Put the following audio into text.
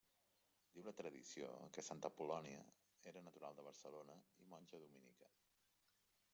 Diu la tradició que santa Apol·lònia era natural de Barcelona i monja dominica.